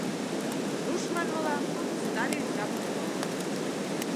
Руш манмыла, «остались за бортом».